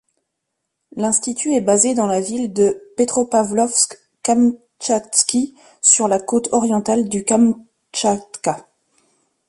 L'institut est basé dans la ville de Petropavlovsk-Kamtchatski, sur la côte orientale du Kamtchatka.